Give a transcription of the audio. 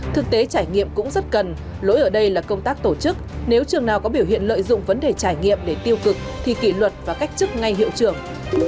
thực tế trải nghiệm cũng rất cần lỗi ở đây là công tác tổ chức nếu trường nào có biểu hiện lợi dụng vấn đề trải nghiệm để tiêu cực thì kỷ luật và cách chức ngay hiệu trưởng